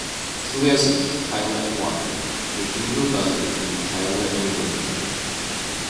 Pleasant, Tyler and Waco, and a doodlebug between Tyler and Lufkin.